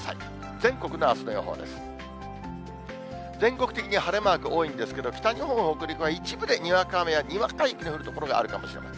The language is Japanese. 全国的に晴れマーク多いんですけど、北日本、北陸は一部でにわか雨やにわか雪の降る所があるかもしれません。